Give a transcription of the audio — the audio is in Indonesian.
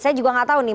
saya juga gak tahu nih